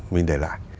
mình để lại